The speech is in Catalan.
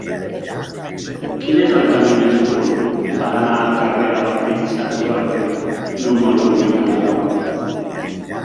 Quin és el camí més curt per anar al carrer del Príncep Jordi número vuitanta-dos?